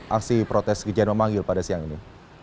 atau akan di protes kejadian memanggil pada siang ini